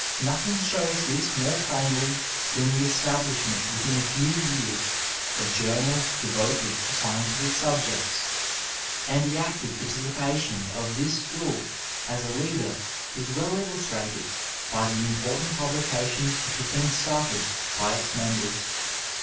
Nothing shows this more plainly tiian the establishment within a tew years of joamak devoted to sdentific sabjects ; and the active participation of tim school as m leader ia well illustrated by the important paUications which have been started by its members.